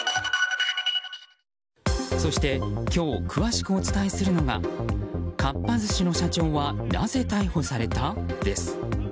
そして今日詳しくお伝えするのがかっぱ寿司の社長はなぜ逮捕された？です。